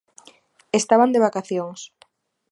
Estaban de vacacións.